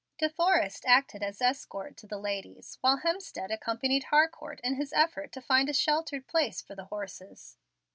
De Forrest acted as escort to the ladies, while Hemstead accompanied Harcourt in his effort to find a sheltered place for the horses.